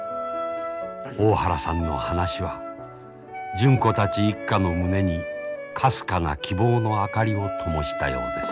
大原さんの話は純子たち一家の胸にかすかな希望の明かりをともしたようです。